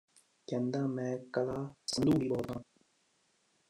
ਕਹਿੰਦਾ ਮੈਂ ਕਲਾ ਸੰਧੂ ਹੀ ਬਹੁਤ ਆਂ